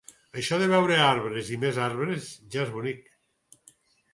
Això de veure arbres i més arbres ja és bonic